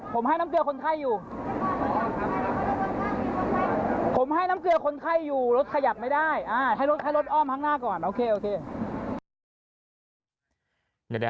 ผมให้น้ำเกลือคนไข้อยู่รถขยับไม่ได้อ่าให้รถอ้อมข้างหน้าก่อนโอเคโอเค